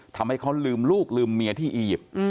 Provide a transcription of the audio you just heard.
ทำให้เขาลืมลูกลืมเมียที่อียิปต์